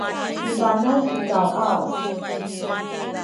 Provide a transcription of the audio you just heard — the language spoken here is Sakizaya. ci Panay sikawaw